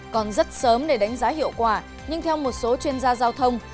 còn rất sớm để đánh giá hiệu quả nhưng theo một số chuyên gia giao thông